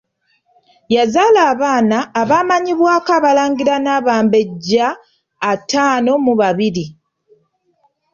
Yazaala abaana abaamanyibwako Abalangira n'Abambejja ataano mu babiri.